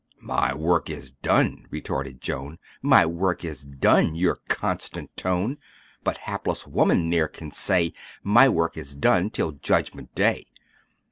"My work is done!" retorted Joan, "My work is done! your constant tone; But hapless woman ne'er can say, 'My work is done,' till judgment day.